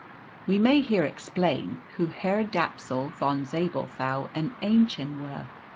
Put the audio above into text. We may here explain who Herr Dapsul von Zabelthau and Aennchen were.